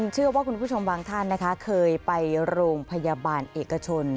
เชื่อว่าคุณผู้ชมบางท่านนะคะเคยไปโรงพยาบาลเอกชน